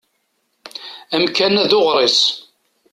Amkan-a d uɣris.